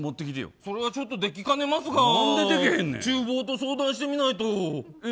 それはちょっとできかねますが厨房と相談してみないと。